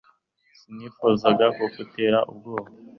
sinifuzaga kugutera ubwoba